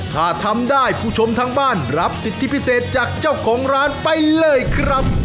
ถ้าทำได้ผู้ชมทางบ้านรับสิทธิพิเศษจากเจ้าของร้านไปเลยครับ